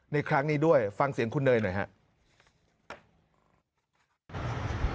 ในครั้งนี้ด้วยฟังเสียงคุณเนยหน่อยครับ